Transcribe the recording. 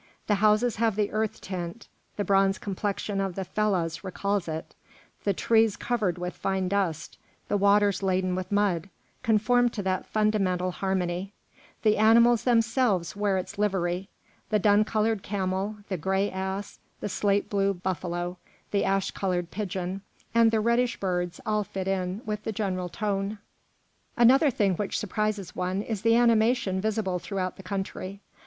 The houses have the earth tint; the bronze complexion of the fellahs recalls it; the trees covered with fine dust, the waters laden with mud, conform to that fundamental harmony; the animals themselves wear its livery; the dun coloured camel, the gray ass, the slate blue buffalo, the ash coloured pigeon, and the reddish birds all fit in with the general tone. Another thing which surprises one is the animation visible throughout the country.